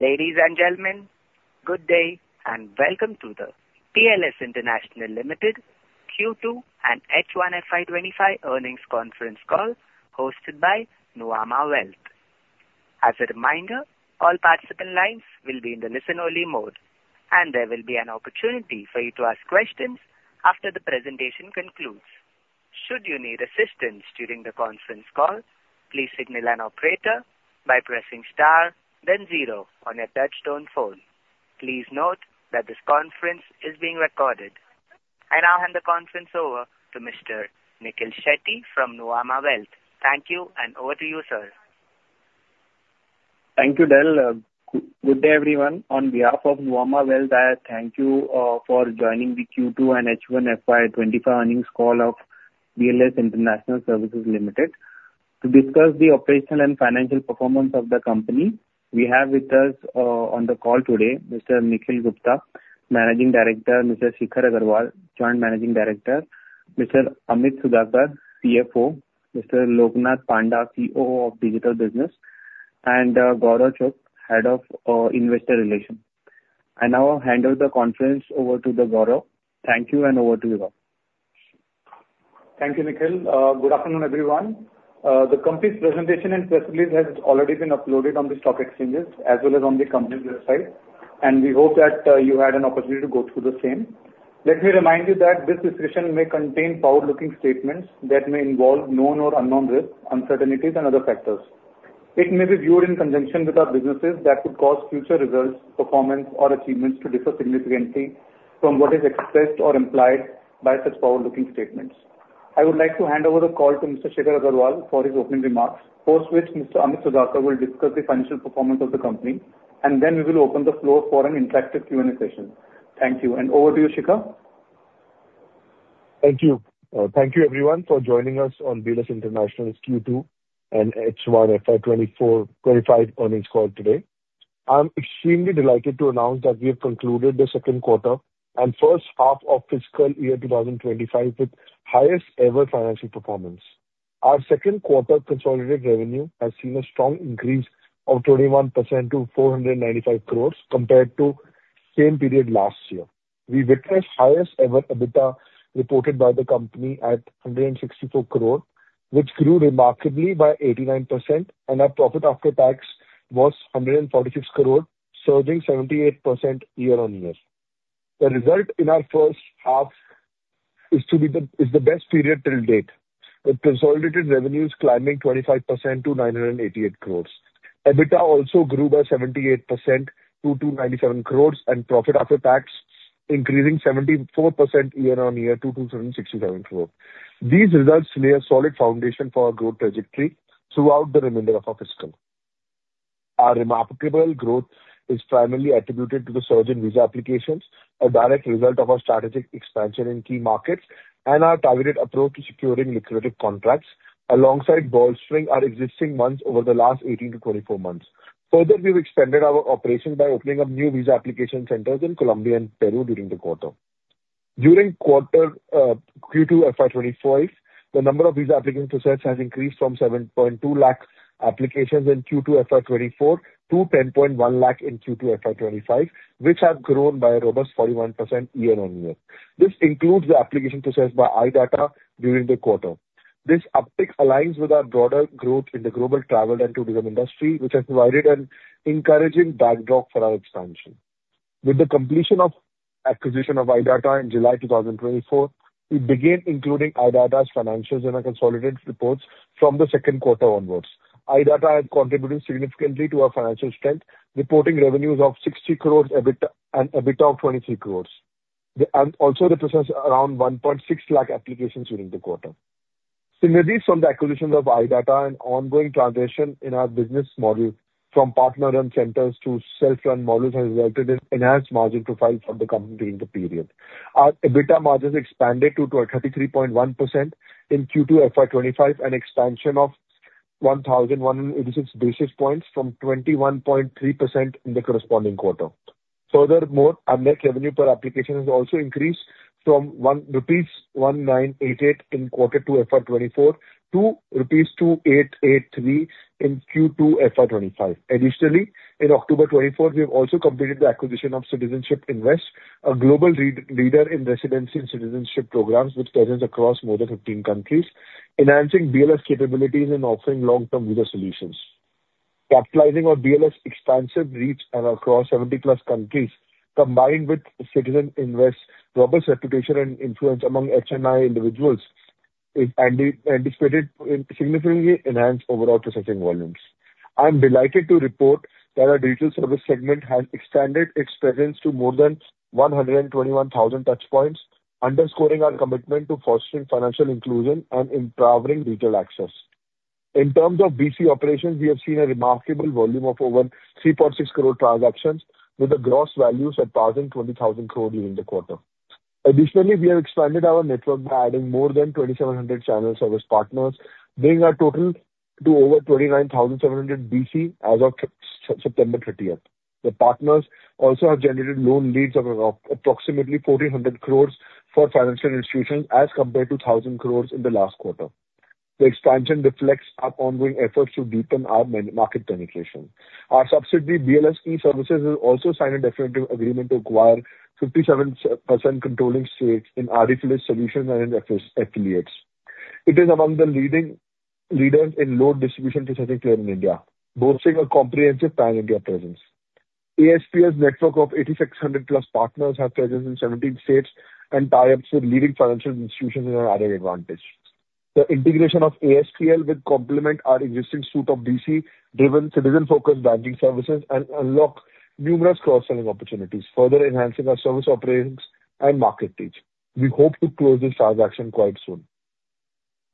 Ladies and gentlemen, good day and welcome to the BLS International Services Limited Q2 and H1 FY 2025 earnings conference call hosted by Nuvama Wealth. As a reminder, all participant lines will be in the listen-only mode, and there will be an opportunity for you to ask questions after the presentation concludes. Should you need assistance during the conference call, please signal an operator by pressing star, then zero on your touch-tone phone. Please note that this conference is being recorded. I now hand the conference over to Mr. Nikhil Shetty from Nuvama Wealth. Thank you, and over to you, sir. Thank you, Del. Good day, everyone. On behalf of Nuvama Wealth, I thank you for joining the Q2 and H1 FY 2025 earnings call of BLS International Services Limited. To discuss the operational and financial performance of the company, we have with us on the call today Mr. Nikhil Gupta, Managing Director, Mr. Shikhar Aggarwal, Joint Managing Director, Mr. Amit Sudhakar, CFO, Mr. Loknath Panda, COO of Digital Business, and Gaurav Chugh, Head of Investor Relations. I now hand over the conference to Gaurav. Thank you, and over to you, sir. Thank you, Nikhil. Good afternoon, everyone. The company's presentation and press release has already been uploaded on the stock exchanges as well as on the company's website, and we hope that you had an opportunity to go through the same. Let me remind you that this discussion may contain forward-looking statements that may involve known or unknown risks, uncertainties, and other factors. It may be viewed in conjunction with other businesses that could cause future results, performance, or achievements to differ significantly from what is expressed or implied by such forward-looking statements. I would like to hand over the call to Mr. Shikhar Aggarwal for his opening remarks, post which Mr. Amit Sudhakar will discuss the financial performance of the company, and then we will open the floor for an interactive Q&A session. Thank you, and over to you, Shikhar. Thank you. Thank you, everyone, for joining us on BLS International's Q2 and H1 FY 2025 earnings call today. I'm extremely delighted to announce that we have concluded the second quarter and first half of fiscal year 2025 with highest-ever financial performance. Our second quarter consolidated revenue has seen a strong increase of 21% to 495 crores compared to the same period last year. We witnessed highest-ever EBITDA reported by the company at 164 crore, which grew remarkably by 89%, and our profit after tax was 146 crore, surging 78% year-on-year. The result in our first half is the best period till date, with consolidated revenues climbing 25% to 988 crores. EBITDA also grew by 78% to 297 crore, and profit after tax increasing 74% year-on-year to 267 crore. These results lay a solid foundation for our growth trajectory throughout the remainder of our fiscal. Our remarkable growth is primarily attributed to the surge in visa applications, a direct result of our strategic expansion in key markets and our targeted approach to securing lucrative contracts, alongside bolstering our existing ones over the last 18 to 24 months. Further, we've expanded our operations by opening up new visa application centers in Colombia and Peru during the quarter. During Q2 FY 2025, the number of visa application processes has increased from 7.2 lakh applications in Q2 FY 2024 to 10.1 lakh in Q2 FY 2025, which have grown by a robust 41% year-on-year. This includes the application process by iDATA during the quarter. This uptick aligns with our broader growth in the global travel and tourism industry, which has provided an encouraging backdrop for our expansion. With the completion of the acquisition of iDATA in July 2024, we began including iDATA's financials in our consolidated reports from the second quarter onwards. iDATA has contributed significantly to our financial strength, reporting revenues of 60 crore and EBITDA of 23 crore. It also represents around 1.6 lakh applications during the quarter. Synergies from the acquisition of iDATA and ongoing translation in our business model from partner-run centers to self-run models have resulted in enhanced margin profiles for the company during the period. Our EBITDA margins expanded to 33.1% in Q2 FY 2025, an expansion of 1,186 basis points from 21.3% in the corresponding quarter. Furthermore, our net revenue per application has also increased from 1,988 in Q2 FY 2024 to rupees 2,288 in Q2 FY 2025. Additionally, in October 2024, we have also completed the acquisition of Citizenship Invest, a global leader in residency and citizenship programs with presence across more than 15 countries, enhancing BLS capabilities and offering long-term visa solutions. Capitalizing on BLS's expansive reach across 70+ countries, combined with Citizenship Invest's robust reputation and influence among HNI individuals, it's anticipated to significantly enhance overall processing volumes. I'm delighted to report that our digital service segment has expanded its presence to more than 121,000 touchpoints, underscoring our commitment to fostering financial inclusion and empowering digital access. In terms of BC operations, we have seen a remarkable volume of over 3.6 crore transactions, with the gross value surpassing 20,000 crore during the quarter. Additionally, we have expanded our network by adding more than 2,700 channel service partners, bringing our total to over 29,700 BC as of September 30. The partners also have generated loan leads of approximately 1,400 crores for financial institutions as compared to 1,000 crores in the last quarter. The expansion reflects our ongoing efforts to deepen our market penetration. Our subsidiary, BLS E-Services, has also signed a definitive agreement to acquire 57% controlling stakes in Aadifidelis Solutions and its affiliates. It is among the leading leaders in loan distribution processing player in India, boasting a comprehensive pan-India presence. ASPL's network of 8,600+ partners has presence in 17 states and ties up with leading financial institutions in our added advantage. The integration of ASPL will complement our existing suite of BC-driven citizen-focused banking services and unlock numerous cross-selling opportunities, further enhancing our service operations and market reach. We hope to close this transaction quite soon.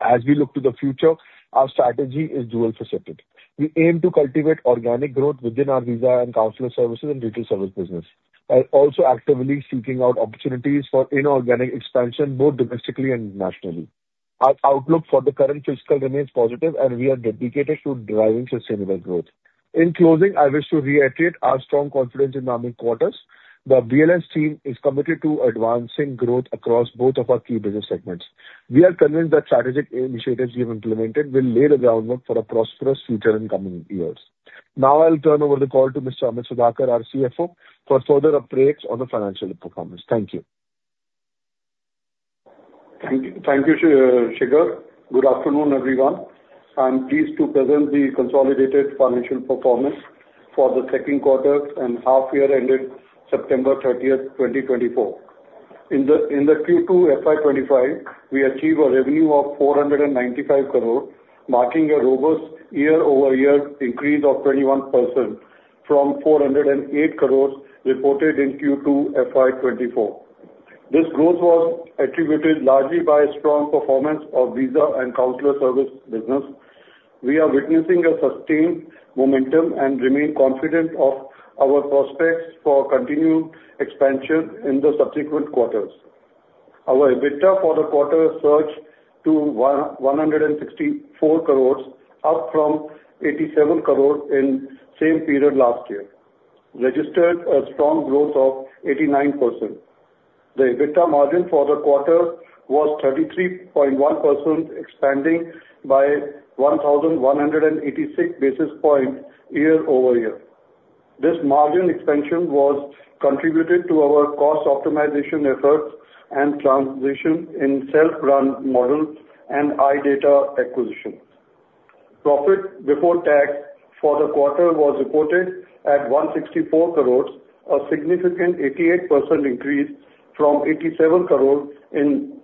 As we look to the future, our strategy is dual-faceted. We aim to cultivate organic growth within our visa and consular services and digital service business, while also actively seeking out opportunities for inorganic expansion both domestically and internationally. Our outlook for the current fiscal remains positive, and we are dedicated to driving sustainable growth. In closing, I wish to reiterate our strong confidence in the coming quarters. The BLS team is committed to advancing growth across both of our key business segments. We are convinced that strategic initiatives we have implemented will lay the groundwork for a prosperous future in the coming years. Now, I'll turn over the call to Mr. Amit Sudhakar, our CFO, for further updates on the financial performance. Thank you. Thank you, Shikhar. Good afternoon, everyone. I'm pleased to present the consolidated financial performance for the second quarter and half-year ended September 30, 2024. In the Q2 FY 2025, we achieved a revenue of 495 crore, marking a robust year-over-year increase of 21% from 408 crores reported in Q2 FY 2024. This growth was attributed largely to a strong performance of visa and consular service business. We are witnessing a sustained momentum and remain confident in our prospects for continued expansion in the subsequent quarters. Our EBITDA for the quarter surged to 164 crore, up from 87 crore in the same period last year, registering a strong growth of 89%. The EBITDA margin for the quarter was 33.1%, expanding by 1,186 basis points year-over-year. This margin expansion was contributed to our cost optimization efforts and transition in self-run models and iDATA acquisition. Profit before tax for the quarter was reported at 164 crore, a significant 88% increase from 87 crore in the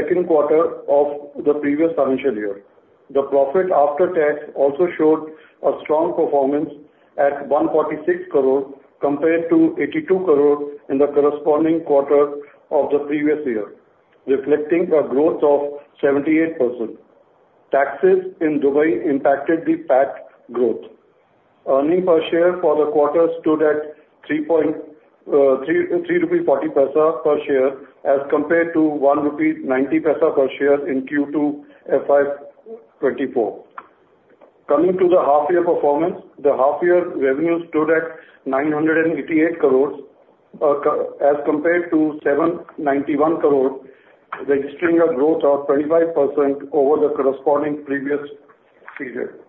second quarter of the previous financial year. The profit after tax also showed a strong performance at 146 crore compared to 82 crore in the corresponding quarter of the previous year, reflecting a growth of 78%. Taxes in Dubai impacted the PAT growth. Earnings per share for the quarter stood at 3.40 rupees per share as compared to 1.90 rupees per share in Q2 FY 2024. Coming to the half-year performance, the half-year revenue stood at 988 crore as compared to 791 crore, registering a growth of 25% over the corresponding previous period.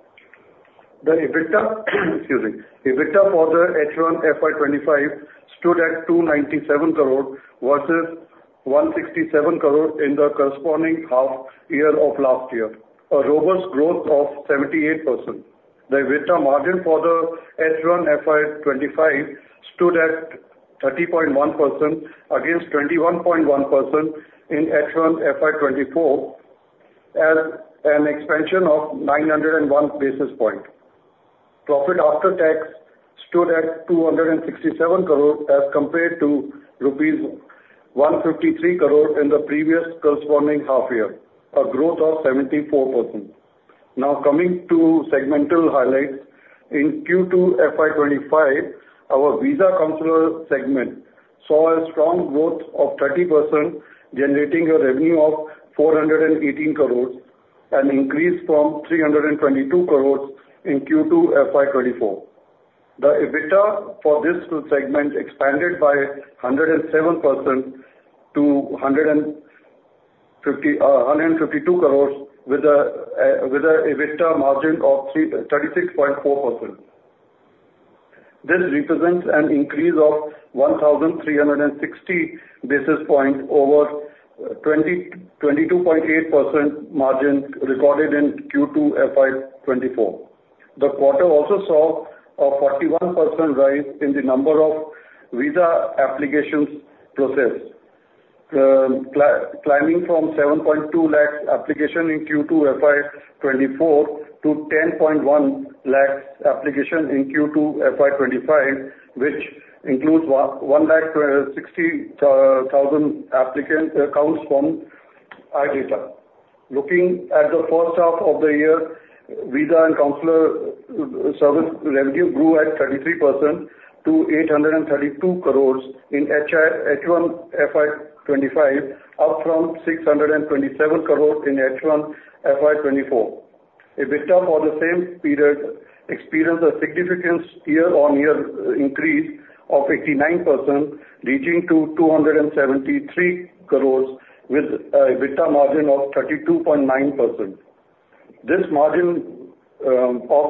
The EBITDA for the H1 FY 2025 stood at 297 crore versus 167 crore in the corresponding half-year of last year, a robust growth of 78%. The EBITDA margin for the H1 FY 2025 stood at 30.1% against 21.1% in H1 FY 2024, as an expansion of 901 basis points. Profit after tax stood at 267 crore as compared to rupees 153 crore in the previous corresponding half-year, a growth of 74%. Now, coming to segmental highlights, in Q2 FY 2025, our visa and consular segment saw a strong growth of 30%, generating a revenue of 418 crore, an increase from 322 crore in Q2 FY 2024. The EBITDA for this segment expanded by 107% to INR 152 crore, with an EBITDA margin of 36.4%. This represents an increase of 1,360 basis points over 22.8% margin recorded in Q2 FY 2024. The quarter also saw a 41% rise in the number of visa applications processed, climbing from 7.2 lakh applications in Q2 FY 2024 to 10.1 lakh applications in Q2 FY 2025, which includes 160,000 applicant counts from iDATA. Looking at the first half of the year, visa and consular service revenue grew at 33% to 832 crore in H1 FY 2025, up from 627 crore in H1 FY 2024. EBITDA for the same period experienced a significant year-on-year increase of 89%, reaching to 273 crore, with an EBITDA margin of 32.9%. This margin of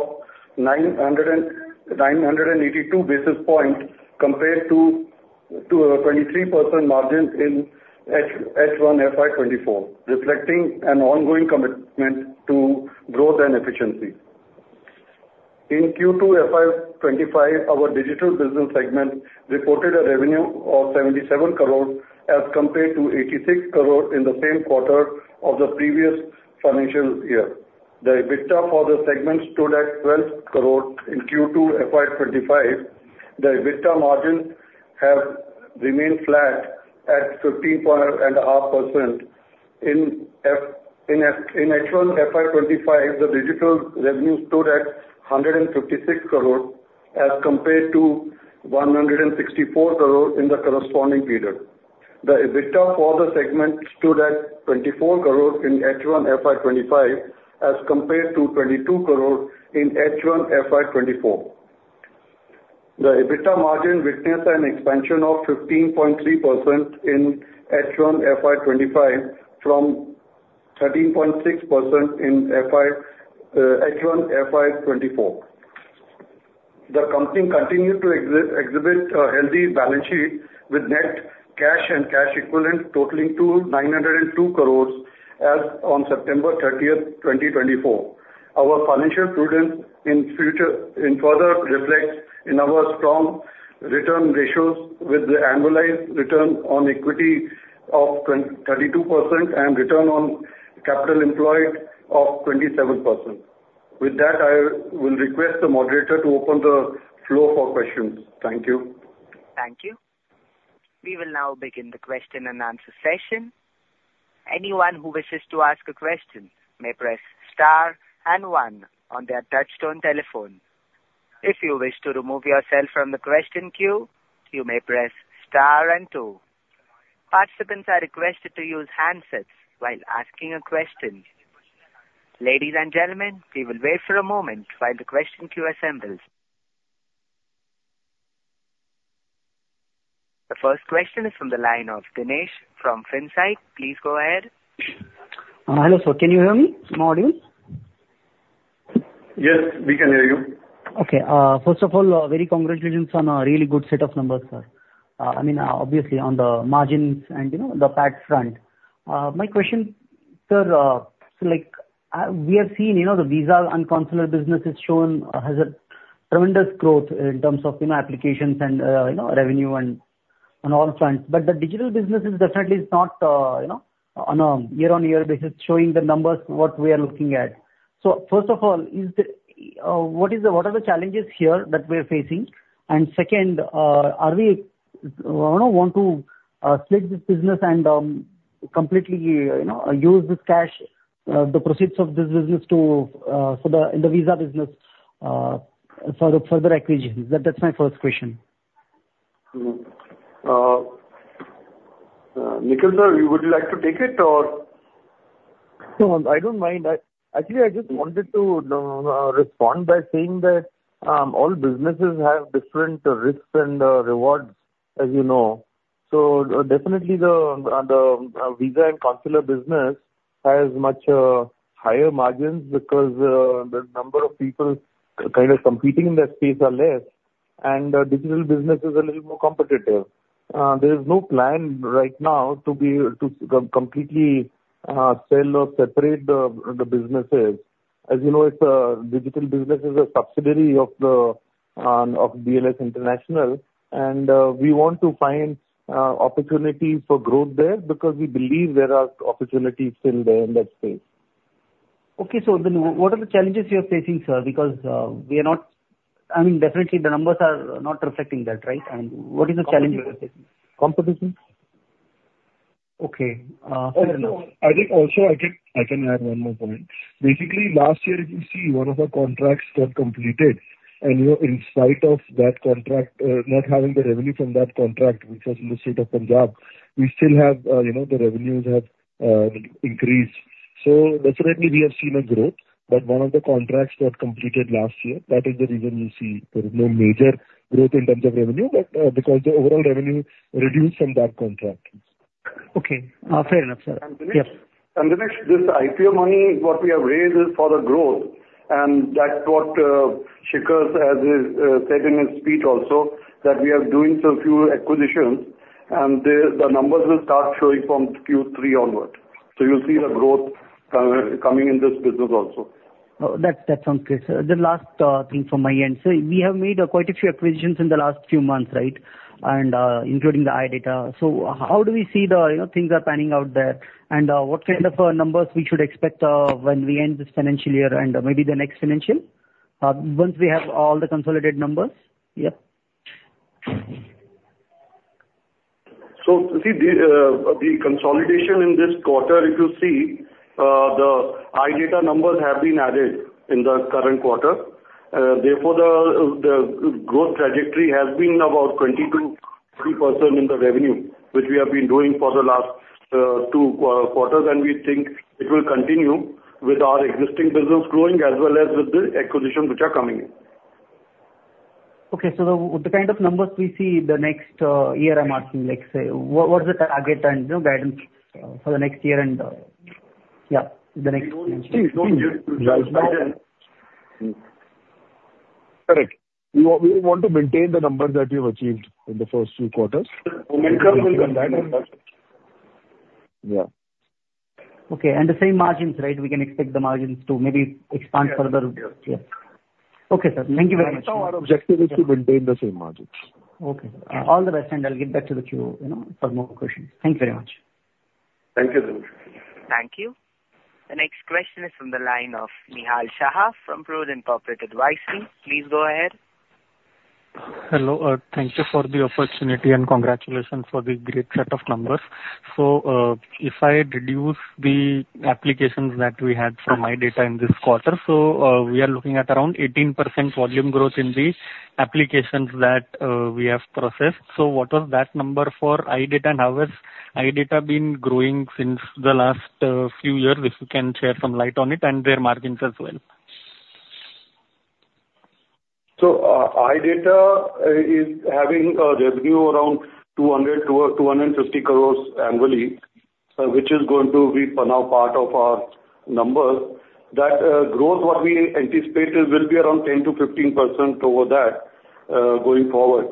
982 basis points compared to a 23% margin in H1 FY 2024, reflecting an ongoing commitment to growth and efficiency. In Q2 FY 2025, our digital business segment reported a revenue of 77 crore as compared to 86 crore in the same quarter of the previous financial year. The EBITDA for the segment stood at 12 crore in Q2 FY 2025. The EBITDA margin has remained flat at 15.5%. In H1 FY 2025, the digital revenue stood at 156 crore as compared to 164 crore in the corresponding period. The EBITDA for the segment stood at 24 crore in H1 FY 2025 as compared to 22 crore in H1 FY 2024. The EBITDA margin witnessed an expansion of 15.3% in H1 FY 2025 from 13.6% in H1 FY 2024. The company continued to exhibit a healthy balance sheet, with net cash and cash equivalents totaling to 902 crore as of September 30, 2024. Our financial prudence in future further reflects in our strong return ratios, with the annualized return on equity of 32% and return on capital employed of 27%. With that, I will request the moderator to open the floor for questions. Thank you. Thank you. We will now begin the question and answer session. Anyone who wishes to ask a question may press star and one on their touch-tone telephone. If you wish to remove yourself from the question queue, you may press star and two. Participants are requested to use handsets while asking a question. Ladies and gentlemen, we will wait for a moment while the question queue assembles. The first question is from the line of Dinesh from Finsight. Please go ahead. Hello, sir. Can you hear me? Am I audible? Yes, we can hear you. Okay. First of all, very congratulations on a really good set of numbers, sir. I mean, obviously, on the margins and the PAT front. My question, sir, we have seen the visa and consular business has shown tremendous growth in terms of applications and revenue on all fronts. But the digital business is definitely not, on a year-on-year basis, showing the numbers what we are looking at. So first of all, what are the challenges here that we are facing? And second, I want to split this business and completely use this cash, the proceeds of this business, for the visa business for further acquisitions. That's my first question. Nikhil sir, would you like to take it or? No, I don't mind. Actually, I just wanted to respond by saying that all businesses have different risks and rewards, as you know. So definitely, the visa and consular business has much higher margins because the number of people kind of competing in that space are less, and digital business is a little more competitive. There is no plan right now to completely sell or separate the businesses. As you know, digital business is a subsidiary of BLS International, and we want to find opportunities for growth there because we believe there are opportunities still there in that space. Okay. So what are the challenges you are facing, sir? Because we are not, I mean, definitely, the numbers are not reflecting that, right? I mean, what is the challenge we are facing? Competition. Okay. I think also I can add one more point. Basically, last year, if you see one of our contracts got completed, and in spite of that contract not having the revenue from that contract, which was in the state of Punjab, we still have the revenues have increased. So definitely, we have seen a growth, but one of the contracts got completed last year. That is the reason you see there is no major growth in terms of revenue, but because the overall revenue reduced from that contract. Okay. Fair enough, sir. Dinesh, this IPO money, what we have raised is for the growth. That's what Shikhar has said in his speech also, that we are doing some few acquisitions, and the numbers will start showing from Q3 onward. You'll see the growth coming in this business also. That sounds good. The last thing from my end. So we have made quite a few acquisitions in the last few months, right, including the iDATA. So how do we see the things are panning out there? And what kind of numbers we should expect when we end this financial year and maybe the next financial? Once we have all the consolidated numbers? Yep. So see, the consolidation in this quarter, if you see, the iDATA numbers have been added in the current quarter. Therefore, the growth trajectory has been about 20%-30% in the revenue, which we have been doing for the last two quarters, and we think it will continue with our existing business growing as well as with the acquisitions which are coming in. Okay. So with the kind of numbers we see the next year, I'm asking, let's say, what is the target and guidance for the next year and, yeah, the next financial year? You want to maintain the numbers that we have achieved in the first few quarters. Momentum will come back. Yeah. Okay. And the same margins, right? We can expect the margins to maybe expand further. Yes. Okay, sir. Thank you very much. Right now, our objective is to maintain the same margins. Okay. All the best, and I'll give back to the queue for more questions. Thank you very much. Thank you very much. Thank you. The next question is from the line of Nihal Shah from Prudent Corporate Advisory Services. Please go ahead. Hello. Thank you for the opportunity and congratulations for the great set of numbers. So if I reduce the applications that we had for iDATA in this quarter, so we are looking at around 18% volume growth in the applications that we have processed. So what was that number for iDATA? And how has iDATA been growing since the last few years? If you can share some light on it and their margins as well. So iDATA is having a revenue around 200 crores-250 crores annually, which is going to be now part of our numbers. That growth, what we anticipate, will be around 10%-15% over that going forward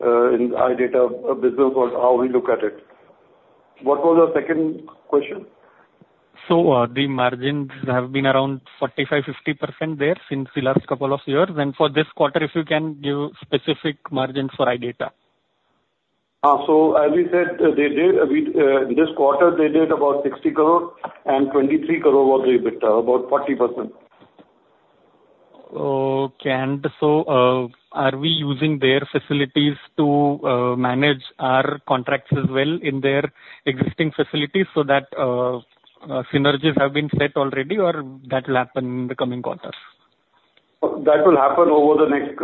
in iDATA business, how we look at it. What was the second question? So the margins have been around 45%-50% there since the last couple of years. And for this quarter, if you can give specific margins for iDATA. So as we said, this quarter, they did about 60 crore, and 23 crore was the EBITDA, about 40%. Okay, and so are we using their facilities to manage our contracts as well in their existing facilities so that synergies have been set already, or that will happen in the coming quarters? That will happen over the next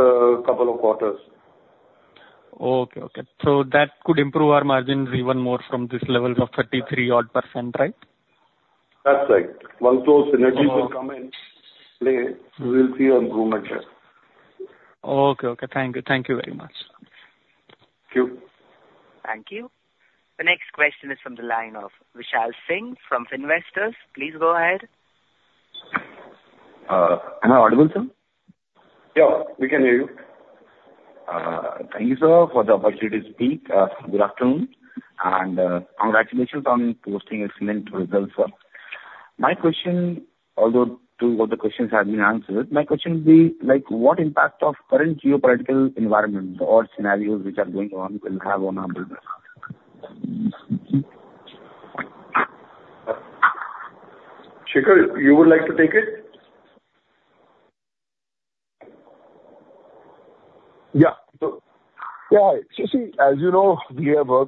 couple of quarters. Okay. So that could improve our margins even more from this level of 33 odd %, right? That's right. Once those synergies will come in play, we will see an improvement here. Okay. Thank you very much. Thank you. Thank you. The next question is from the line of Vishal Singh from Finvestors. Please go ahead. Hello. Audible? Yeah. We can hear you. Thank you, sir, for the opportunity to speak. Good afternoon. And congratulations on posting excellent results, sir. My question, although two of the questions have been answered, my question would be, what impact of current geopolitical environment or scenarios which are going on will have on our business? Shikhar, you would like to take it? Yeah. So yeah. You see, as you know, we have our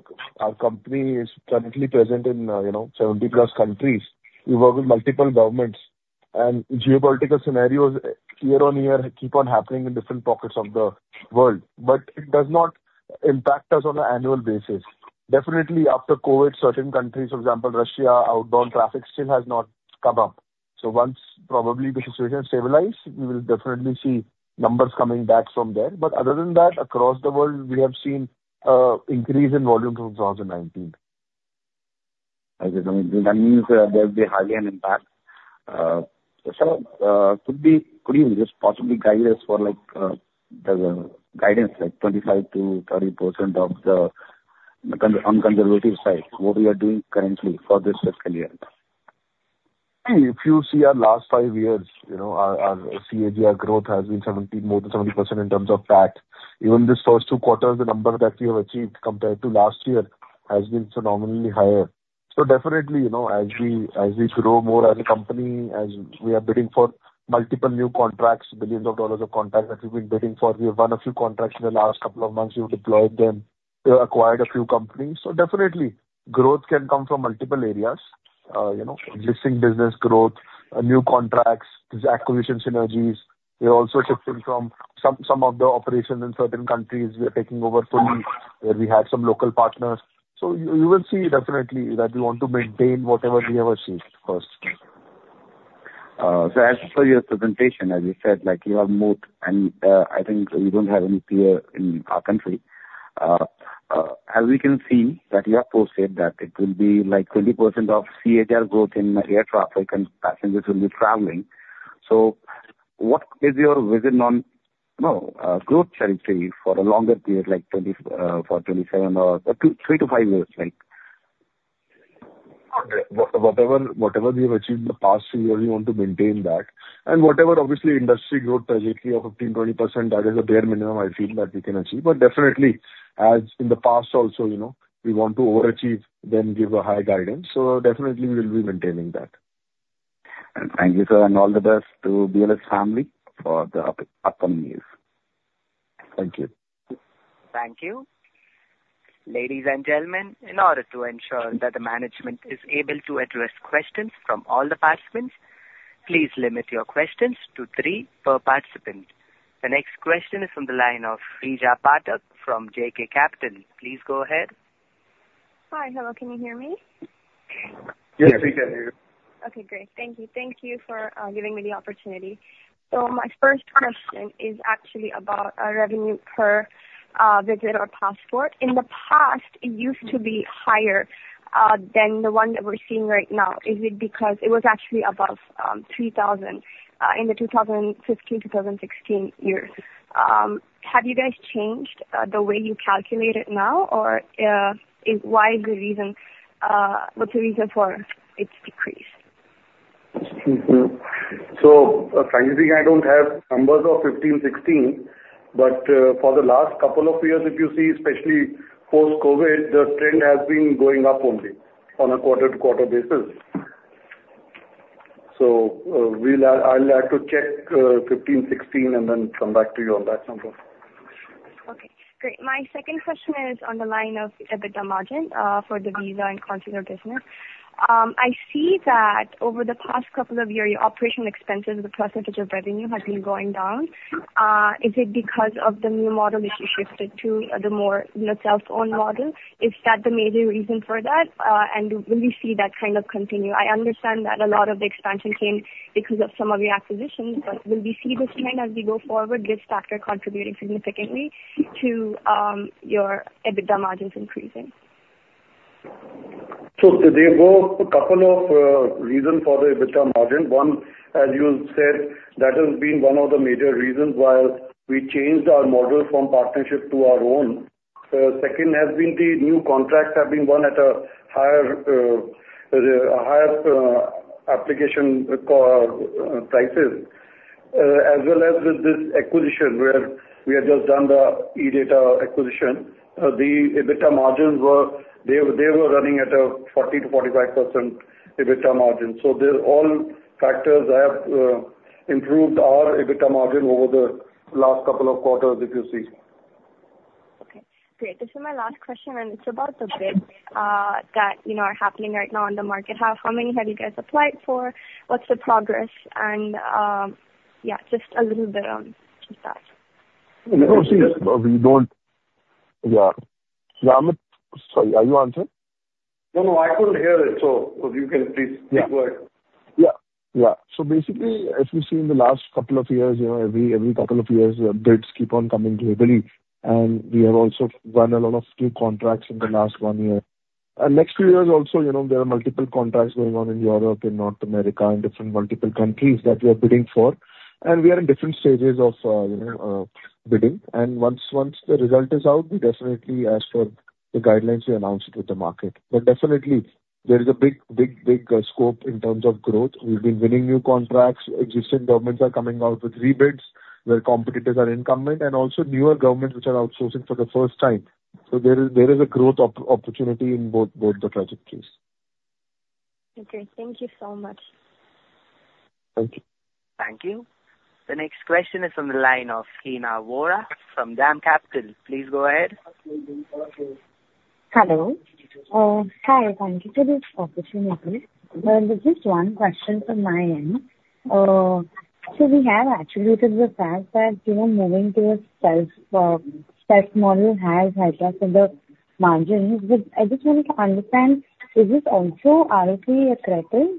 company is currently present in 70+ countries. We work with multiple governments, and geopolitical scenarios year on year keep on happening in different pockets of the world, but it does not impact us on an annual basis. Definitely, after COVID, certain countries, for example, Russia, outbound traffic still has not come up. So once probably the situation stabilizes, we will definitely see numbers coming back from there, but other than that, across the world, we have seen an increase in volume from 2019. Okay. So that means there will be highly an impact. Sir, could you just possibly guide us for the guidance, like 25%-30% on the conservative side, what we are doing currently for this fiscal year? If you see our last five years, our CAGR growth has been more than 70% in terms of PAT. Even this first two quarters, the number that we have achieved compared to last year has been phenomenally higher. So definitely, as we grow more as a company, as we are bidding for multiple new contracts, billions of dollars of contracts that we've been bidding for, we have won a few contracts in the last couple of months. We've deployed them, acquired a few companies. So definitely, growth can come from multiple areas: existing business growth, new contracts, these acquisition synergies. We're also shifting from some of the operations in certain countries. We are taking over fully where we had some local partners. So you will see definitely that we want to maintain whatever we have achieved first. So, as for your presentation, as you said, you are moved, and I think you don't have any fear in our country. As we can see that you have posted that it will be like 20% of CAGR growth in air traffic and passengers will be traveling. So, what is your vision on growth trajectory for a longer period, like for 27 or 3 to 5 years? Whatever we have achieved in the past few years, we want to maintain that. And whatever, obviously, industry growth trajectory of 15%-20%, that is the bare minimum I feel that we can achieve. But definitely, as in the past also, we want to overachieve, then give a high guidance. So definitely, we will be maintaining that. And thank you, sir. And all the best to BLS family for the upcoming years. Thank you. Thank you. Ladies and gentlemen, in order to ensure that the management is able to address questions from all the participants, please limit your questions to three per participant. The next question is from the line of Shreya Bhartia from JK Capital. Please go ahead. Hi. Hello. Can you hear me? Yes, we can hear you. Okay. Great. Thank you. Thank you for giving me the opportunity. So my first question is actually about revenue per visitor passport. In the past, it used to be higher than the one that we're seeing right now. Is it because it was actually above 3,000 in the 2015, 2016 years? Have you guys changed the way you calculate it now, or what's the reason for its decrease? So frankly, I don't have numbers of 2015, 2016, but for the last couple of years, if you see, especially post-COVID, the trend has been going up only on a quarter-to-quarter basis. So I'll have to check 2015, 2016, and then come back to you on that number. Okay. Great. My second question is on the line of EBITDA margin for the visa and consular business. I see that over the past couple of years, your operational expenses, the percentage of revenue has been going down. Is it because of the new model that you shifted to, the more self-owned model? Is that the major reason for that? And will we see that kind of continue? I understand that a lot of the expansion came because of some of your acquisitions, but will we see this trend as we go forward? This factor contributing significantly to your EBITDA margins increasing? So there were a couple of reasons for the EBITDA margin. One, as you said, that has been one of the major reasons why we changed our model from partnership to our own. Second, has been the new contracts have been won at a higher application prices, as well as with this acquisition where we have just done the iDATA acquisition. The EBITDA margins were running at a 40%-45% EBITDA margin. So all factors have improved our EBITDA margin over the last couple of quarters, if you see. Okay. Great. This is my last question, and it's about the bids that are happening right now in the market. How many have you guys applied for? What's the progress? And yeah, just a little bit on that. No, see, we don't, yeah. Sorry, are you answering? No, no. I couldn't hear it, so if you can please keep going. Yeah. Yeah. So basically, as we see in the last couple of years, every couple of years, bids keep on coming globally, and we have also won a lot of new contracts in the last one year. Next few years also, there are multiple contracts going on in Europe and North America and different multiple countries that we are bidding for, and we are in different stages of bidding, and once the result is out, we definitely, as per the guidelines, we announce it with the market, but definitely, there is a big, big, big scope in terms of growth. We've been winning new contracts. Existing governments are coming out with rebids where competitors are incumbent, and also newer governments which are outsourcing for the first time, so there is a growth opportunity in both the trajectories. Okay. Thank you so much. Thank you. Thank you. The next question is from the line of Hena Vora from DAM Capital. Please go ahead. Hello. Hi. Thank you for this opportunity. Just one question from my end. So we have attributed the fact that moving to a self-model has helped us with the margins. But I just wanted to understand, is this also ROCE accretive?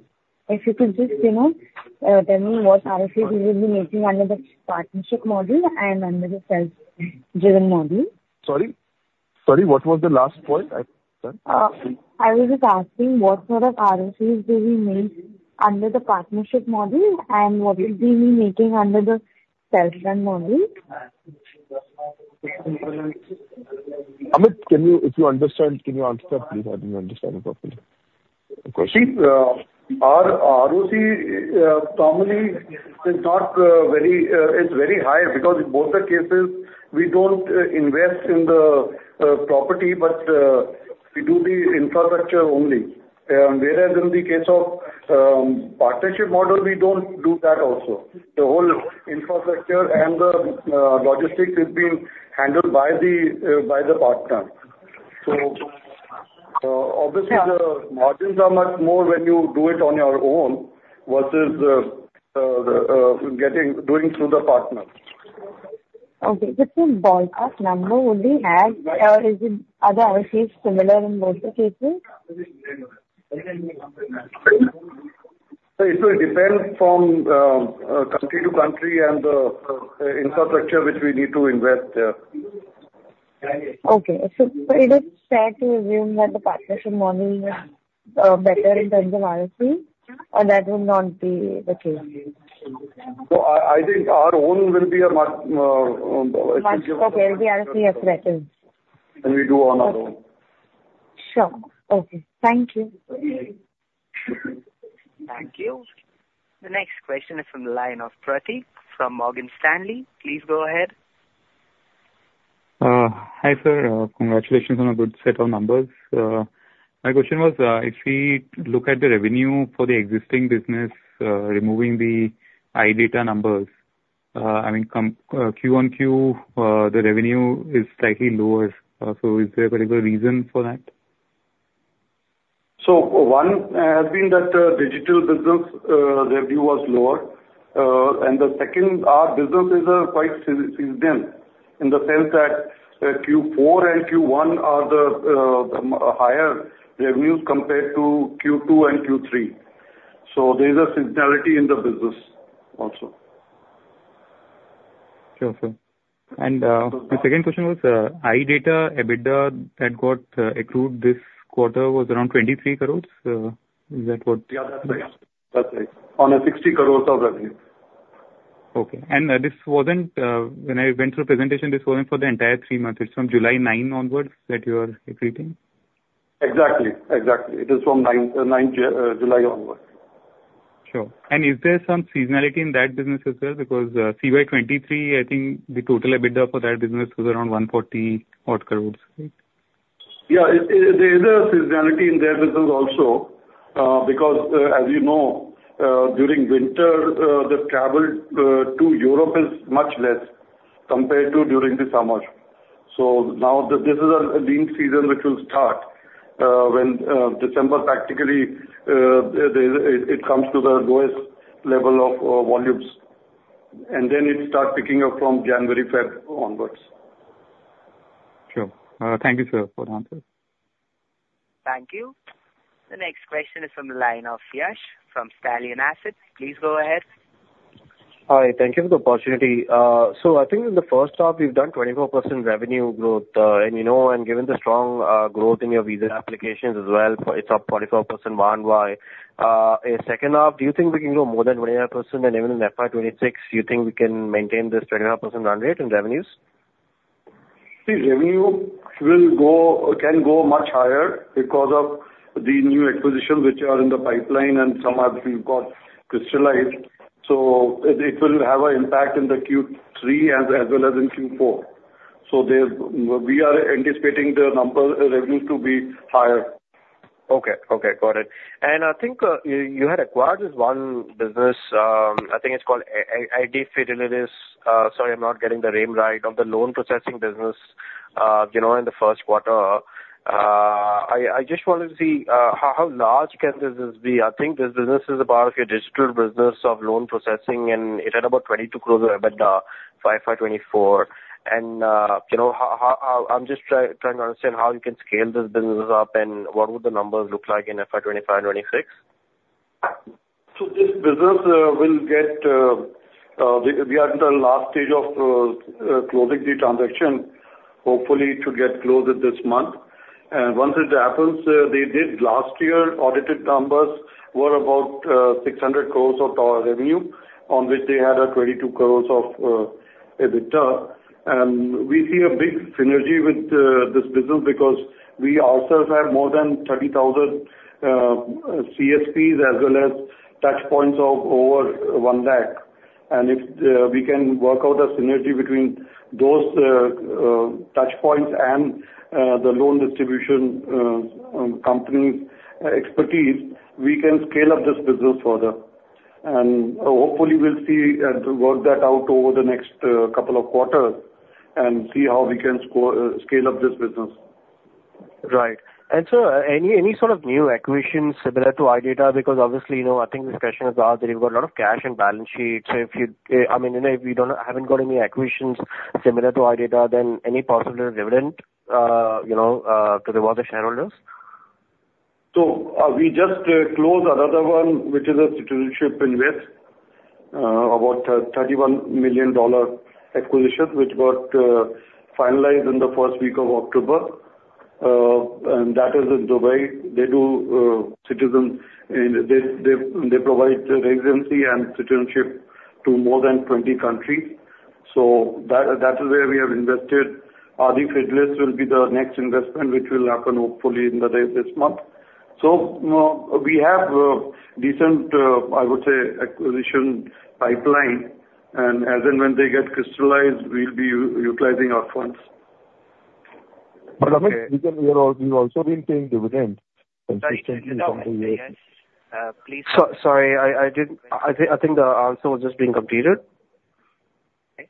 If you could just tell me what ROCEs we will be making under the partnership model and under the self-driven model? Sorry? Sorry. What was the last point? I was just asking what sort of ROCEs do we make under the partnership model, and what would we be making under the self-run model? Amit, if you understand, can you answer that? Please, I didn't understand it properly. See, our CapEx normally is not very high because in both the cases, we don't invest in the property, but we do the infrastructure only. Whereas in the case of partnership model, we don't do that also. The whole infrastructure and the logistics is being handled by the partner. So obviously, the margins are much more when you do it on your own versus doing through the partner. Okay. So for balance number, would we have or is it other ROCEs similar in both the cases? So it will depend from country to country and the infrastructure which we need to invest there. Okay. So it is fair to assume that the partnership model is better in terms of ROCE, or that will not be the case? I think our own will be a much. Okay. The ROCE is accretive. And we do on our own. Sure. Okay. Thank you. Thank you. The next question is from the line of Preeti from Morgan Stanley. Please go ahead. Hi sir. Congratulations on a good set of numbers. My question was, if we look at the revenue for the existing business, removing the iDATA numbers, I mean, Q1 QoQ, the revenue is slightly lower. So is there a particular reason for that? So one has been that digital business revenue was lower. And the second, our business is quite seasonal in the sense that Q4 and Q1 are the higher revenues compared to Q2 and Q3. So there is a seasonality in the business also. Sure. Sure. And the second question was, iDATA EBITDA that got accrued this quarter was around 23 crores. Is that what? Yeah. That's right. That's right. On a 60 crores of revenue. Okay. This wasn't when I went through the presentation. This wasn't for the entire three months. It's from July 9 onwards that you are accreting? Exactly. Exactly. It is from July 9 onwards. Sure. And is there some seasonality in that business as well? Because CY23, I think the total EBITDA for that business was around 140 odd crores, right? Yeah. There is a seasonality in that business also because, as you know, during winter, the travel to Europe is much less compared to during the summer. So now this is a lean season which will start when December practically it comes to the lowest level of volumes, and then it starts picking up from January 5th onwards. Sure. Thank you, sir, for the answer. Thank you. The next question is from the line of Yash from Stallion Asset. Please go ahead. Hi. Thank you for the opportunity. So I think in the first half, we've done 24% revenue growth. And given the strong growth in your visa applications as well, it's up 44% one way. In the second half, do you think we can grow more than 25%? And even in FY 2026, do you think we can maintain this 25% run rate in revenues? See, revenue can go much higher because of the new acquisitions which are in the pipeline and some have been crystallized. So it will have an impact in the Q3 as well as in Q4. So we are anticipating the number revenues to be higher. Okay. Okay. Got it. And I think you had acquired this one business. I think it's called Aadifidelis. Sorry, I'm not getting the name right of the loan processing business in the first quarter. I just wanted to see how large can this be? I think this business is a part of your digital business of loan processing, and it had about 22 crores of EBITDA by FY 2024. And I'm just trying to understand how you can scale this business up, and what would the numbers look like in FY 2025 and FY 2026? So, this business, we are in the last stage of closing the transaction, hopefully to get closed this month. And once it happens, their last year audited numbers were about 600 crores of revenue on which they had 22 crores of EBITDA. And we see a big synergy with this business because we ourselves have more than 30,000 CSPs as well as touch points of over 1 lakh. And if we can work out a synergy between those touch points and the loan distribution company's expertise, we can scale up this business further. And hopefully, we'll see and work that out over the next couple of quarters and see how we can scale up this business. Right. And so any sort of new acquisitions similar to iDATA? Because obviously, I think this question is asked that you've got a lot of cash and balance sheets. I mean, if we haven't got any acquisitions similar to iDATA, then any possible dividend to reward the shareholders? So we just closed another one which is Citizenship Invest, about $31 million acquisition, which got finalized in the first week of October. And that is in Dubai. They provide residency and citizenship to more than 20 countries. So that is where we have invested. Aadifidelis will be the next investment which will happen hopefully in this month. So we have decent, I would say, acquisition pipeline. And as in when they get crystallized, we'll be utilizing our funds. But I mean, we've also been paying dividend consistently from the years. Please. Sorry. I think the answer was just being completed. Okay.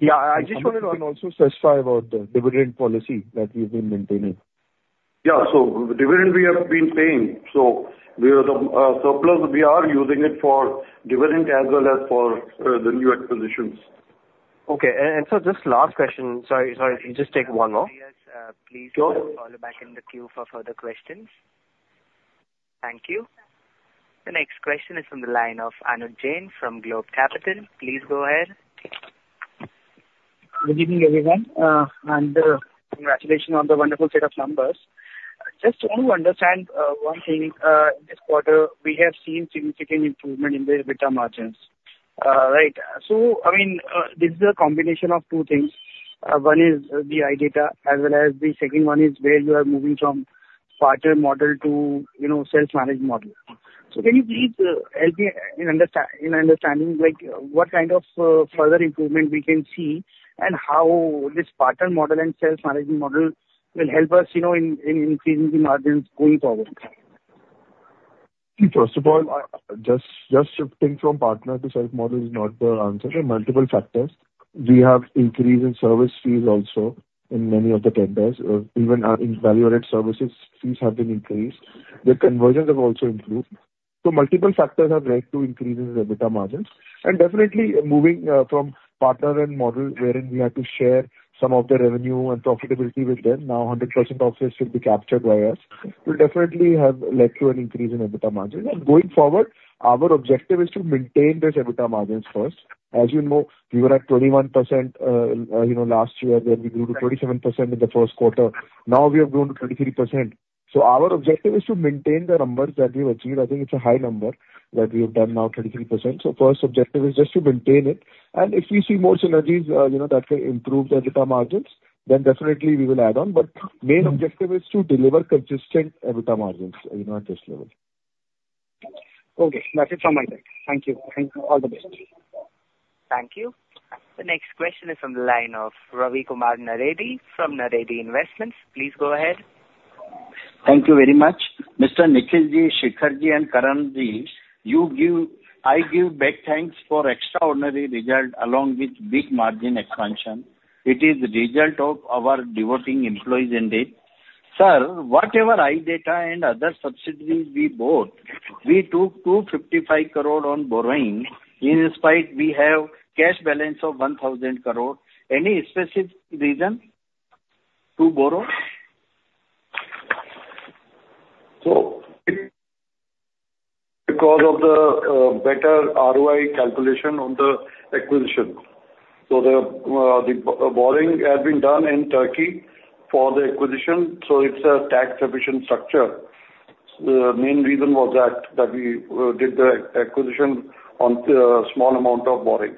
Yeah. I just wanted to also specify about the dividend policy that we've been maintaining. Yeah. So the dividend we have been paying. So the surplus, we are using it for dividend as well as for the new acquisitions. Okay. And so just last question. Sorry. Sorry. Just take one more. Yes. We'll call you back in the queue for further questions. Thank you. The next question is from the line of Anuj Jain from Globe Capital. Please go ahead. Good evening, everyone. Congratulations on the wonderful set of numbers. Just want to understand one thing. In this quarter, we have seen significant improvement in the EBITDA margins. Right? So I mean, this is a combination of two things. One is the iDATA as well as the second one is where you are moving from partner model to self-managed model. So can you please help me in understanding what kind of further improvement we can see and how this partner model and self-managed model will help us in increasing the margins going forward? First of all, just shifting from partner to self-model is not the answer. There are multiple factors. We have increased in service fees also in many of the tenders. Even in value-added services, fees have been increased. The conversions have also improved, so multiple factors have led to increases in EBITDA margins. And definitely, moving from partner and model wherein we had to share some of the revenue and profitability with them, now 100% of this should be captured by us, will definitely have led to an increase in EBITDA margins. And going forward, our objective is to maintain these EBITDA margins first. As you know, we were at 21% last year. Then we grew to 27% in the first quarter. Now we have grown to 23%, so our objective is to maintain the numbers that we've achieved. I think it's a high number that we have done now, 23%. First objective is just to maintain it. If we see more synergies that can improve the EBITDA margins, then definitely we will add on. Main objective is to deliver consistent EBITDA margins at this level. Okay. That is from my side. Thank you. All the best. Thank you. The next question is from the line of Ravi Kumar Naredi from Naredi Investments. Please go ahead. Thank you very much. Mr. Nikhilji, Shikharji, and Karan ji, I give my thanks for extraordinary result along with big margin expansion. It is the result of our dedicated employees indeed. Sir, whatever iDATA and other subsidiaries we bought, we took 255 crore on borrowing. Despite, we have cash balance of 1,000 crore. Any specific reason to borrow? So, because of the better ROI calculation on the acquisition, the borrowing had been done in Turkey for the acquisition. So, it's a tax-efficient structure. The main reason was that we did the acquisition on a small amount of borrowing.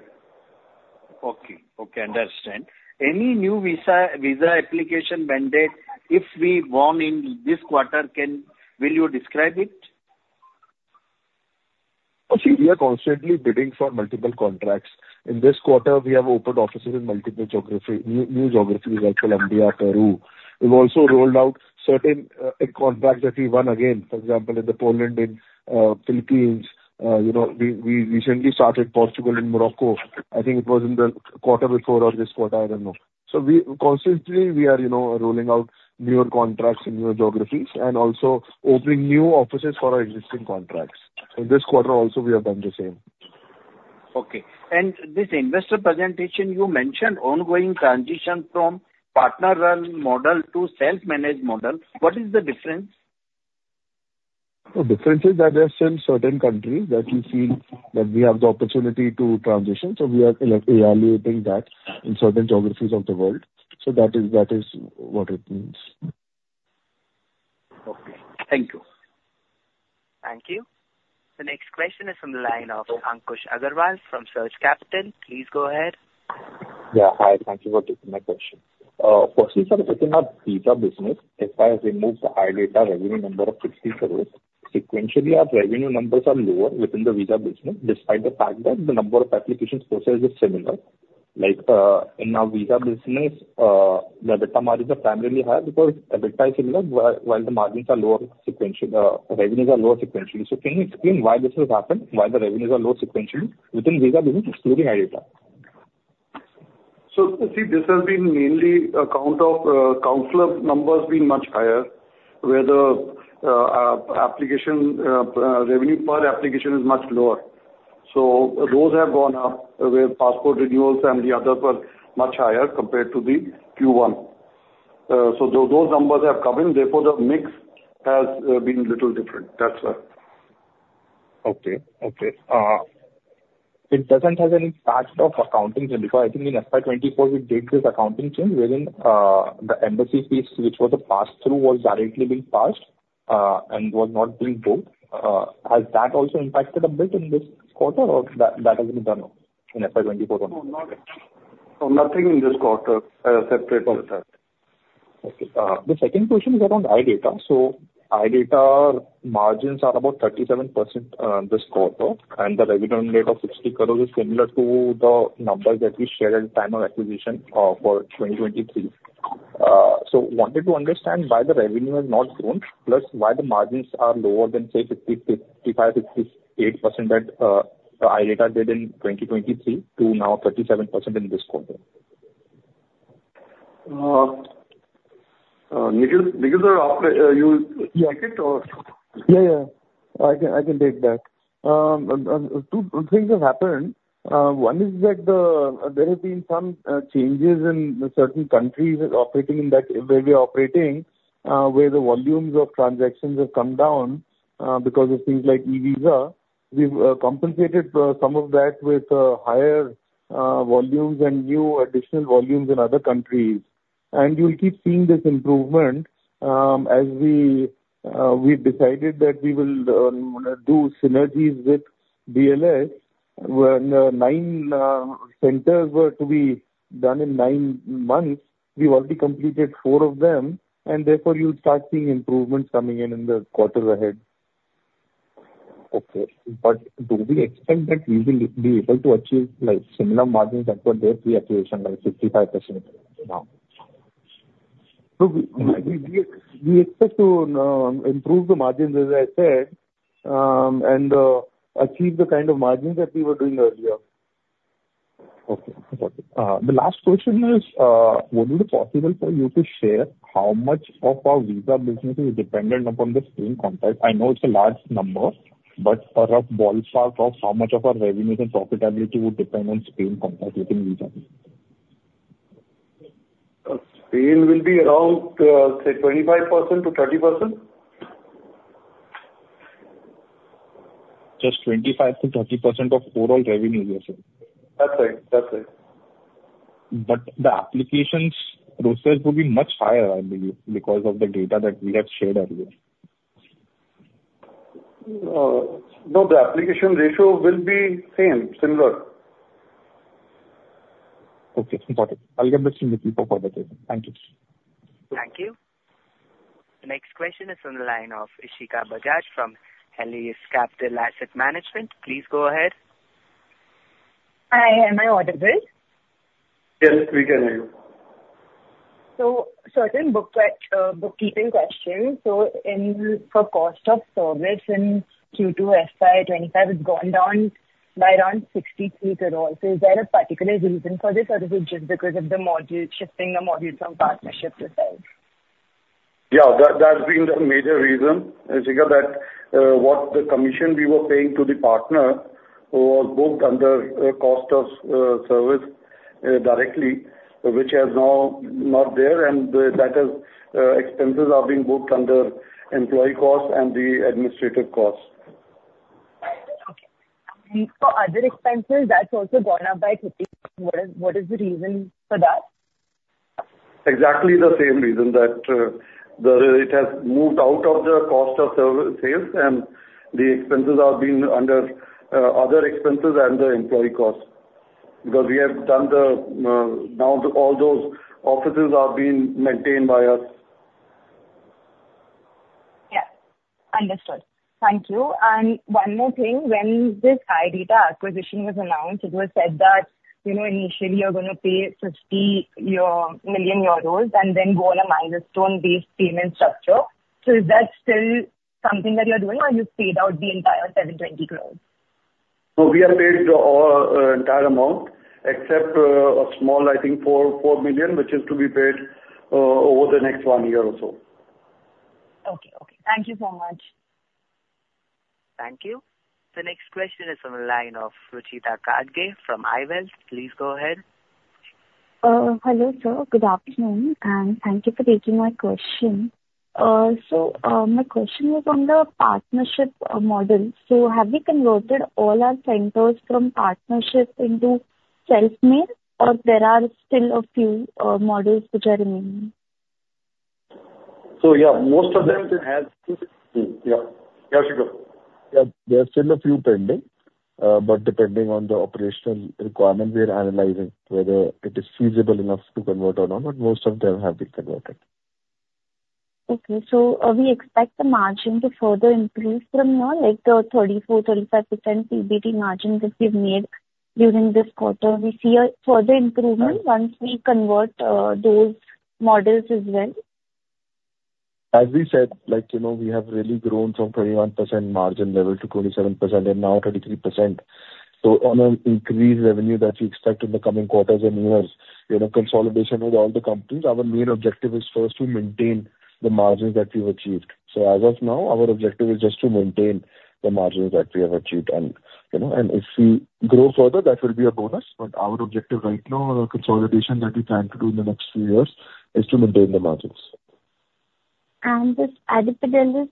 Okay. Understood. Any new visa application mandate if we won in this quarter? Will you describe it? See, we are constantly bidding for multiple contracts. In this quarter, we have opened offices in multiple new geographies, like Colombia, Peru. We've also rolled out certain contracts that we won again. For example, in the Poland, in the Philippines. We recently started Portugal and Morocco. I think it was in the quarter before or this quarter. I don't know. So constantly, we are rolling out newer contracts in newer geographies and also opening new offices for our existing contracts. In this quarter also, we have done the same. Okay, and this investor presentation, you mentioned ongoing transition from partner model to self-managed model. What is the difference? The difference is that there are still certain countries that we feel that we have the opportunity to transition. So we are evaluating that in certain geographies of the world. So that is what it means. Okay. Thank you. Thank you. The next question is from the line of Ankush Agrawal from Surge Capital. Please go ahead. Yeah. Hi. Thank you for taking my question. Firstly, for the visa business, if I remove the iDATA revenue number of INR 60 crores, sequentially, our revenue numbers are lower within the visa business despite the fact that the number of applications processed is similar. In our visa business, the EBITDA margins are primarily higher because EBITDA is similar, while the margins are lower sequentially. Revenues are lower sequentially. So can you explain why this has happened, why the revenues are lower sequentially within visa business, excluding iDATA? So see, this has been mainly on account of consular numbers being much higher, where the revenue per application is much lower. So those have gone up, where passport renewals and the others were much higher compared to the Q1. So those numbers have come in. Therefore, the mix has been a little different. That's why. Okay. It doesn't have any patched up accounting change. Because I think in FY 2024, we did this accounting change wherein the embassy fees, which was a pass-through, was directly being passed and was not being booked. Has that also impacted a bit in this quarter, or that hasn't done in FY 2024? Nothing in this quarter separate from that. Okay. The second question is around iDATA, so iDATA margins are about 37% this quarter, and the revenue rate of 60 crores is similar to the numbers that we shared at the time of acquisition for 2023, so wanted to understand why the revenue has not grown, plus why the margins are lower than, say, 55%-58% that iDATA did in 2023 to now 37% in this quarter? Nikhil, did you take it, or? Yeah. Yeah. I can take that. Two things have happened. One is that there have been some changes in certain countries operating in that way we are operating, where the volumes of transactions have come down because of things like E-Visa. We've compensated some of that with higher volumes and new additional volumes in other countries. And you'll keep seeing this improvement as we've decided that we will do synergies with BLS. When the nine centers were to be done in nine months, we've already completed four of them. And therefore, you'll start seeing improvements coming in in the quarters ahead. Okay. But do we expect that we will be able to achieve similar margins as we had with the acquisition, like 55% now? We expect to improve the margins, as I said, and achieve the kind of margins that we were doing earlier. Okay. The last question is, would it be possible for you to share how much of our visa business is dependent upon the Spain contract? I know it's a large number, but rough ballpark of how much of our revenues and profitability would depend on Spain contract within visa business? Spain will be around, say, 25%-30%. Just 25%-30% of overall revenue, you said? That's right. That's right. But the applications processed would be much higher, I believe, because of the data that we have shared earlier. No, the application ratio will be same, similar. Okay. Got it. I'll get this from the people for the data. Thank you. Thank you. The next question is from the line of Ishika Bajaj from Helios Capital Asset Management. Please go ahead. Hi. Am I audible? Yes. We can hear you. Certain bookkeeping questions. For cost of service in Q2 FY 2025, it's gone down by around 63 crores. Is there a particular reason for this, or is it just because of shifting the module from partnership to self? Yeah. That's been the major reason. If you look at what the commission we were paying to the partner was booked under cost of service directly, which has now not there. And that expenses are being booked under employee cost and the administrative cost. Okay. And for other expenses, that's also gone up by 50%. What is the reason for that? Exactly the same reason that it has moved out of the cost of sales, and the expenses are being under other expenses and the employee cost. Because we have done the now all those offices are being maintained by us. Yes. Understood. Thank you. And one more thing. When this iDATA acquisition was announced, it was said that initially, you're going to pay 50 million euros and then go on a milestone-based payment structure. So is that still something that you're doing, or you've paid out the entire 720 crores? So we have paid the entire amount, except a small, I think, four million, which is to be paid over the next one year or so. Okay. Okay. Thank you so much. Thank you. The next question is from the line of Rucheeta Kadge from iWealth. Please go ahead. Hello, sir. Good afternoon. And thank you for taking my question. So my question was on the partnership model. So have we converted all our centers from partnership into self-made, or there are still a few models which are remaining? Most of them have. There are still a few pending, but depending on the operational requirement, we are analyzing whether it is feasible enough to convert or not. But most of them have been converted. Okay, so we expect the margin to further increase from now, like the 34%-35% EBITDA margin that we've made during this quarter. We see a further improvement once we convert those models as well? As we said, we have really grown from 21% margin level to 27% and now 33%. So on an increased revenue that we expect in the coming quarters and years, consolidation with all the companies, our main objective is first to maintain the margins that we've achieved. So as of now, our objective is just to maintain the margins that we have achieved. And if we grow further, that will be a bonus. But our objective right now, the consolidation that we plan to do in the next few years, is to maintain the margins. This Aadifidelis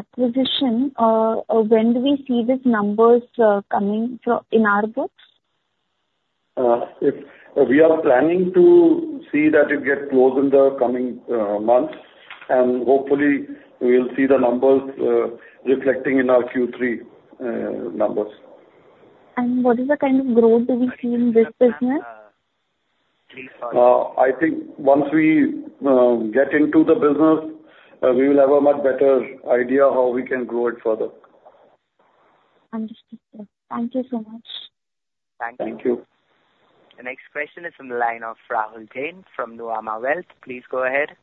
acquisition, when do we see these numbers coming in our books? We are planning to see that it gets closed in the coming months, and hopefully, we'll see the numbers reflecting in our Q3 numbers. What is the kind of growth that we see in this business? I think once we get into the business, we will have a much better idea how we can grow it further. Understood. Thank you so much. Thank you. The next question is from the line of Rahul Jain from Nuvama Wealth. Please go ahead.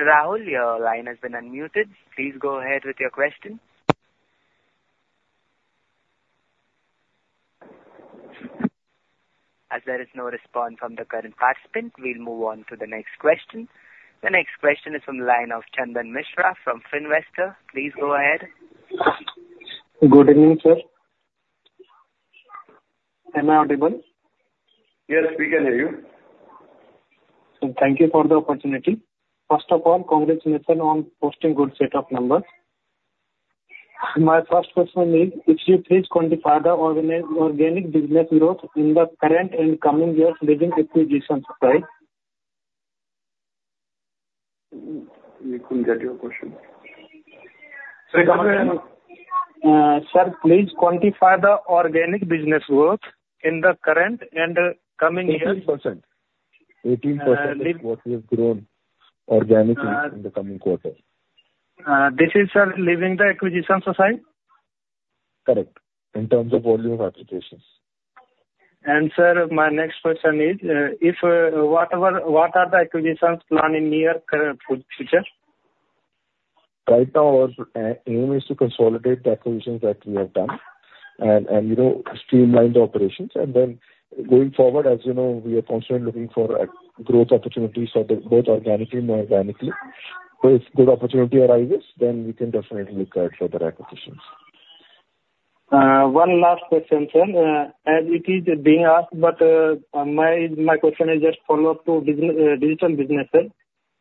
Rahul, your line has been unmuted. Please go ahead with your question. As there is no response from the current participant, we'll move on to the next question. The next question is from the line of Chandan Mishra from Finvestors. Please go ahead. Good evening, sir. Am I audible? Yes. We can hear you. So thank you for the opportunity. First of all, congratulations on posting good set of numbers. My first question is, if you please quantify the organic business growth in the current and coming years within acquisitions, right? You can get your question. Sir, please quantify the organic business growth in the current and coming years? 18%. 18%. What we have grown organically in the coming quarter. This is, sir, leaving the acquisitions, sir? Correct. In terms of volume of applications. Sir, my next question is, what are the acquisitions plan in near future? Right now, our aim is to consolidate the acquisitions that we have done and streamline the operations. And then going forward, as you know, we are constantly looking for growth opportunities both organically and non-organically. So if good opportunity arises, then we can definitely look at further acquisitions. One last question, sir. As it is being asked, but my question is just follow-up to digital businesses.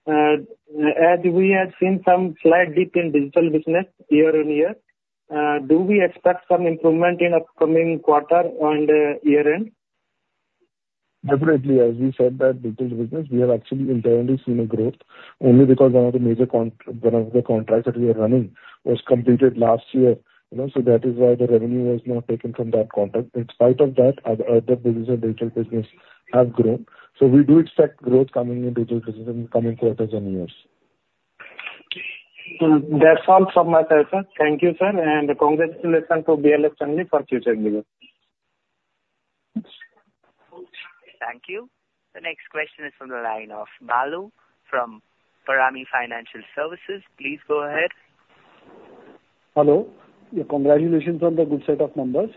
As we have seen some slight dip in digital business year on year, do we expect some improvement in upcoming quarter and year-end? Definitely. As you said, that digital business, we have actually internally seen a growth only because one of the major contracts that we are running was completed last year. So that is why the revenue was not taken from that contract. In spite of that, other business and digital business have grown. So we do expect growth coming in digital business in the coming quarters and years. That's all from my side, sir. Thank you, sir. And congratulations to BLS on the for future growth. Thank you. The next question is from the line of Malu from Param Financial Services. Please go ahead. Hello. Congratulations on the good set of numbers.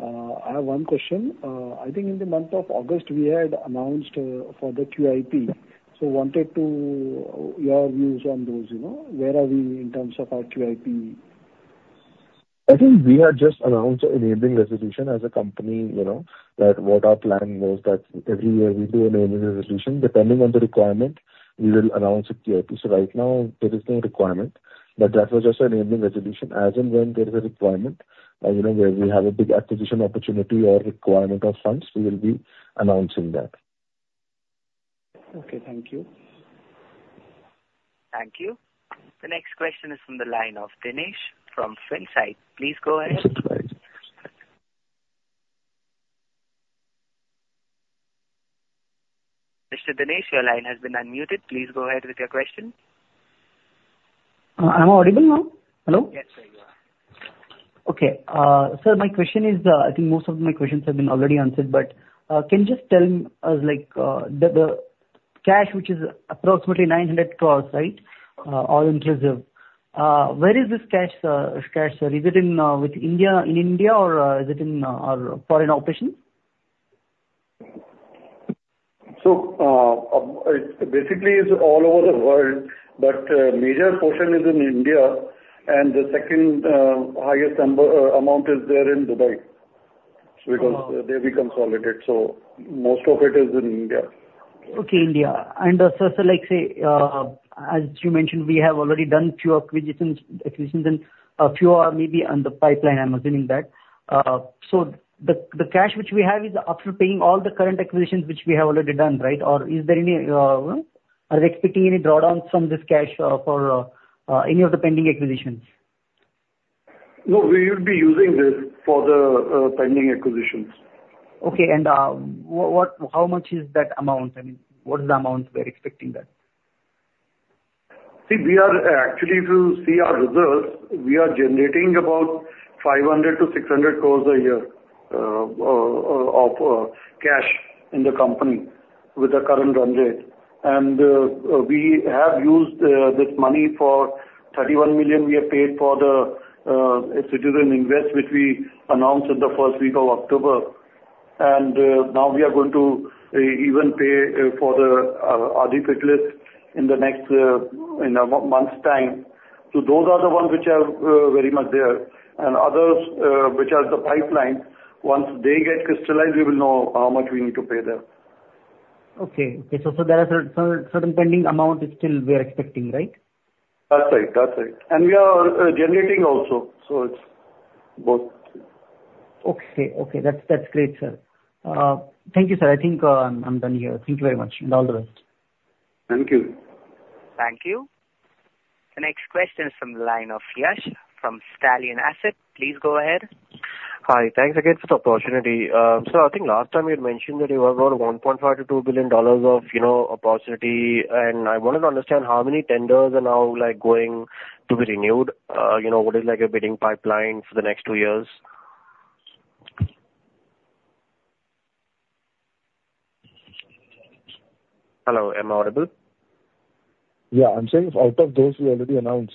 I have one question. I think in the month of August, we had announced for the QIP. So wanted to know your views on those. Where are we in terms of our QIP? I think we had just announced enabling resolution as a company that what our plan was that every year we do enabling resolution. Depending on the requirement, we will announce a QIP. So right now, there is no requirement. But that was just an enabling resolution. As and when there is a requirement where we have a big acquisition opportunity or requirement of funds, we will be announcing that. Okay. Thank you. Thank you. The next question is from the line of Dinesh from FinSight. Please go ahead. Mr. Dinesh, your line has been unmuted. Please go ahead with your question. I'm audible now? Hello? Yes, sir, you are. Okay. Sir, my question is, I think most of my questions have been already answered, but can you just tell us the cash, which is approximately 900 crores, right, all in reserve, where is this cash, sir? Is it in India or is it in our foreign operations? So basically, it's all over the world, but the major portion is in India. And the second highest amount is there in Dubai because there we consolidate. So most of it is in India. Okay, India. And so, as you mentioned, we have already done a few acquisitions, and a few are maybe on the pipeline, I'm assuming that. So the cash which we have is after paying all the current acquisitions which we have already done, right? Or are they expecting any drawdowns from this cash for any of the pending acquisitions? No, we will be using this for the pending acquisitions. Okay. And how much is that amount? I mean, what is the amount we're expecting that? See, we are actually, if you see our reserves, we are generating about INR 500 crores-INR 600 crores a year of cash in the company with the current run rate. We have used this money for $31 million we have paid for the Citizenship Invest which we announced in the first week of October. Now we are going to even pay for the Aadifidelis in the next month's time. So those are the ones which are very much there. Others which are the pipelines, once they get crystallized, we will know how much we need to pay them. Okay. So there are certain pending amounts still we are expecting, right? That's right. That's right, and we are generating also, so it's both. Okay. Okay. That's great, sir. Thank you, sir. I think I'm done here. Thank you very much. And all the best. Thank you. Thank you. The next question is from the line of Yash from Stallion Asset. Please go ahead. Hi. Thanks again for the opportunity. So, I think last time you had mentioned that you have about $1.5 billion-$2 billion of opportunity, and I wanted to understand how many tenders are now going to be renewed? What is a bidding pipeline for the next two years? Hello. Am I audible? Yeah. I'm saying out of those, we already announced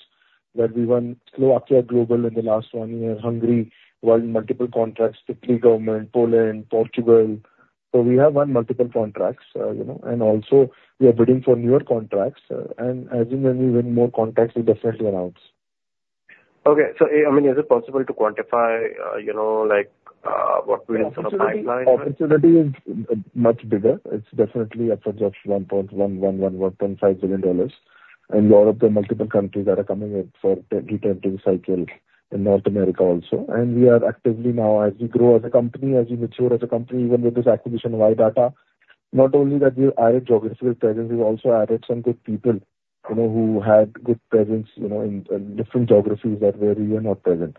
that we won Slovakia global in the last one year, Hungary, multiple contracts, Italy government, Poland, Portugal. So we have won multiple contracts. And also, we are bidding for newer contracts. And as in when we win more contracts, we definitely announce. Okay. So I mean, is it possible to quantify what we're in for the pipeline? The opportunity is much bigger. It's definitely upwards of $1.1 billion-$1.5 billion. And there are multiple countries that are coming in for the return to the cycle in North America also. And we are actively now, as we grow as a company, as we mature as a company, even with this acquisition of iDATA, not only that we've added geographical presence, we've also added some good people who had good presence in different geographies where we were not present.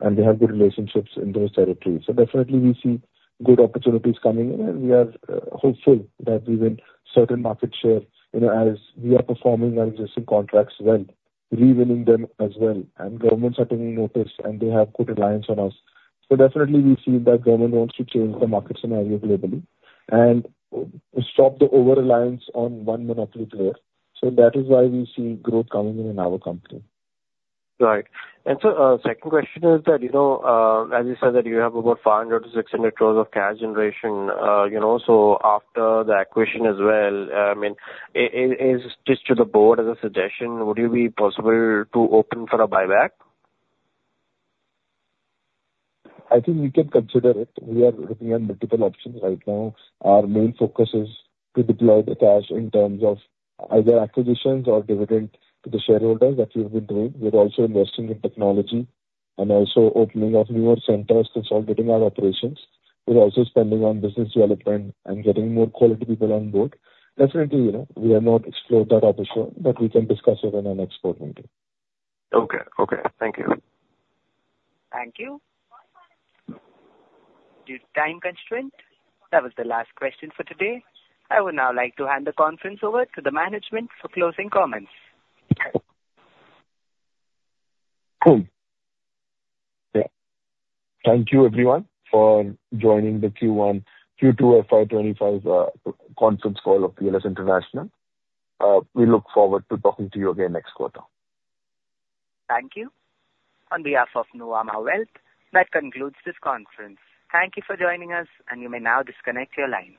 And we have good relationships in those territories. So definitely, we see good opportunities coming. And we are hopeful that we win certain market share as we are performing our existing contracts well, re-winning them as well. And governments are taking notice, and they have good reliance on us. So definitely, we feel that government wants to change the market scenario globally and stop the over-reliance on one monopoly player. So that is why we see growth coming in our company. Right. And so second question is that, as you said, that you have about 500 crores-600 crores of cash generation. So after the acquisition as well, I mean, is it just to the board as a suggestion? Would it be possible to open for a buyback? I think we can consider it. We are looking at multiple options right now. Our main focus is to deploy the cash in terms of either acquisitions or dividend to the shareholders that we have been doing. We're also investing in technology and also opening up newer centers, consolidating our operations. We're also spending on business development and getting more quality people on board. Definitely, we have not explored that option, but we can discuss it in our next board meeting. Okay. Okay. Thank you. Thank you. Due to time constraint, that was the last question for today. I would now like to hand the conference over to the management for closing comments. Thank you, everyone, for joining the Q1, Q2, FY 2025 conference call of BLS International. We look forward to talking to you again next quarter. Thank you. On behalf of Nuvama Wealth, that concludes this conference. Thank you for joining us, and you may now disconnect your line.